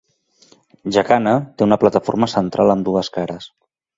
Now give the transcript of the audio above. Jacana té una plataforma central amb dues cares.